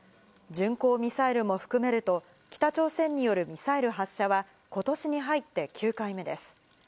巡航ミサイルも含めると、北朝鮮によるミサイル発射は、ことしに入って９回目です。